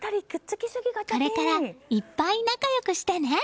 これからいっぱい仲良くしてね。